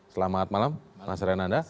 selamat malam mas renanda